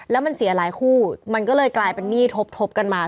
แล้วมันเสียหลายคู่มันก็เลยกลายเป็นหนี้ทบทบกันมา